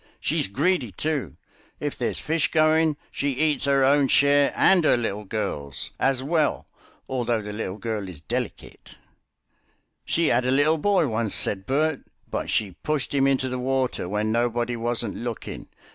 She's greedy, too; if there's fish going, she eats 'er own share and 'er little girl's as well, though the little girl is dellikit." "She 'ad a little boy once," said Bert, "but she pushed 'im into the water when nobody wasn't looking."